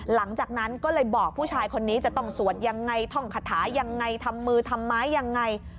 หลังจากนั้นก็เลยบอกผู้ชายคนนี้จะต้องสวดยังไงท่องคาถายังไงทำมือทำไมยังไง